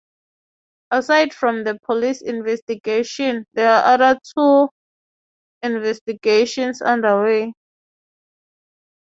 Aside from the police investigation there are two other investigations underway.